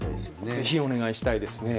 ぜひお願いしたいですね。